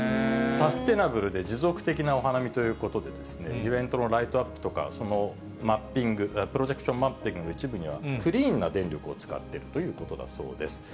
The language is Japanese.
サステナブルで持続的なお花見ということで、イベントのライトアップとか、プロジェクションマッピングの一部にはクリーンな電力を使っているということだそうです。